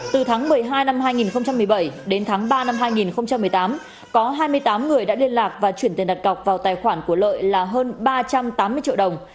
từ tháng một mươi hai năm hai nghìn một mươi bảy đến tháng ba năm hai nghìn một mươi tám có hai mươi tám người đã liên lạc và chuyển tiền đặt cọc vào tài khoản của lợi là hơn ba trăm tám mươi triệu đồng